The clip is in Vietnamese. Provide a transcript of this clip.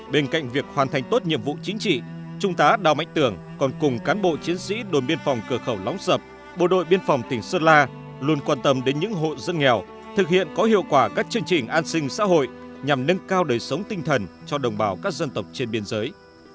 bên cạnh việc hoàn thành tốt nhiệm vụ chính trị trung tá đào mạnh tường còn cùng cán bộ chiến sĩ đồn biên phòng cửa khẩu lóng sập bộ đội biên phòng tỉnh sơn la luôn quan tâm đến những hộ dân nghèo thực hiện có hiệu quả các chương trình an sinh xã hội nhằm nâng cao đời sống tinh thần cho đồng bào các dân tộc trên biên giới